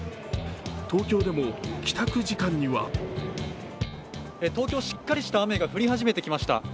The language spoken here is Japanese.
東京でも帰宅時間には東京、しっかりとした雨が降り始めてきました。